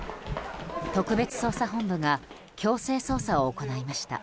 特別捜査本部が強制捜査を行いました。